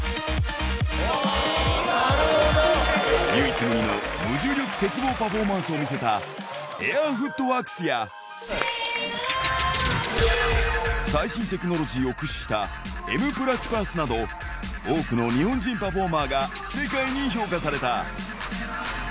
唯一無二の無重力鉄棒パフォーマンスを見せた、エアフットワークスや、最新テクノロジーを駆使したｍ＋＋など、多くの日本人パフォーマーが世界に評価された。